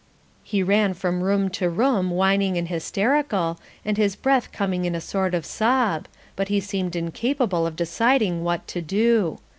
He ran from room to room whining and hysterical, and his breath coming in a sort of sob, but he seemed incapable of deciding what to do.